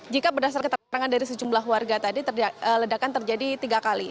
jika berdasarkan keterangan dari sejumlah warga tadi ledakan terjadi tiga kali